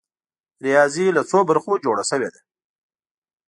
ریاضي له څو برخو جوړه شوې ده؟